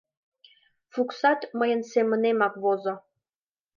Фуксат мыйын семынемак возо.